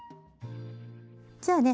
じゃあね